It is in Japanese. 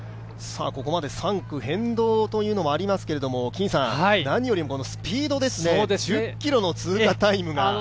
ここまで３区、変動というのもありますけれども、何よりもスピードですね、１０ｋｍの通過タイムが。